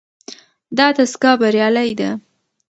دا دستګاه بریالۍ ده.